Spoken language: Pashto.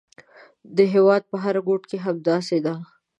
د هېواد په هر ګوټ کې همداسې ده.